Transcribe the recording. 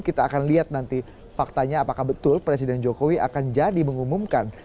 kita akan lihat nanti faktanya apakah betul presiden jokowi akan jadi mengumumkan